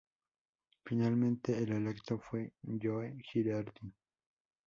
Finalmente el electo fue Joe Girardi.